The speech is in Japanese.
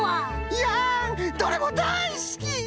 いやんどれもだいすき！